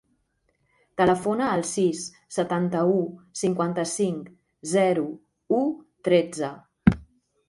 Telefona al sis, setanta-u, cinquanta-cinc, zero, u, tretze.